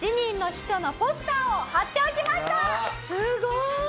すごーい！